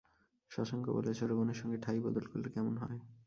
শশাঙ্ক বলে, ছোটো বোনের সঙ্গে ঠাঁই বদল করলে কেমন হয়।